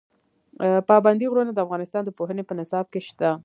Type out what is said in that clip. پابندي غرونه د افغانستان د پوهنې په نصاب کې شته.